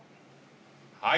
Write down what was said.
はい。